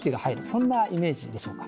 そんなイメージでしょうか。